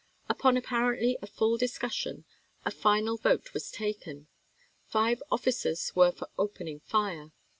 Upon apparently a full discussion a final vote was taken. " Five officers were for opening fire.